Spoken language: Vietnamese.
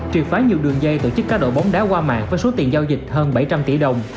triệt phá nhiều đường dây tổ chức cá độ bóng đá qua mạng với số tiền giao dịch hơn bảy trăm linh tỷ đồng